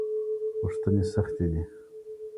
پوښتنې سختې دي.